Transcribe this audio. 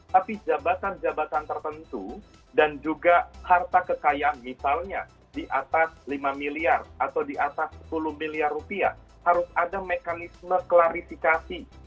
tapi jabatan jabatan tertentu dan juga harta kekayaan misalnya di atas lima miliar atau di atas sepuluh miliar rupiah harus ada mekanisme klarifikasi